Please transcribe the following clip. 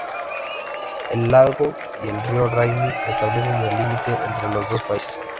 El lago y el río Rainy establecen el límite entre los dos países.